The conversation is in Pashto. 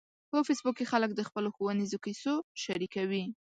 په فېسبوک کې خلک د خپلو ښوونیزو کیسو شریکوي